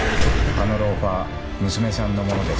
あのローファー娘さんのものです。